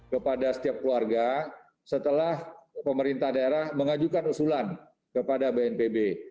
kepada setiap keluarga setelah pemerintah daerah mengajukan usulan kepada bnpb